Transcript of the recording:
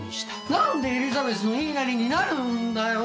何でエリザベスの言いなりになるんだよ！